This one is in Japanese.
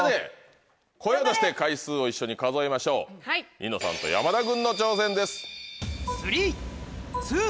ニノさんと山田君の挑戦です。